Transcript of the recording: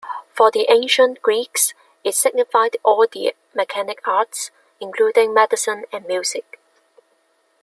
For the ancient Greeks, it signified all the mechanic arts, including medicine and music.